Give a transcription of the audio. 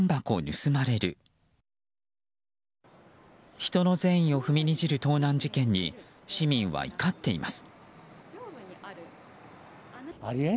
人の善意を踏みにじる盗難事件に、市民は怒っています。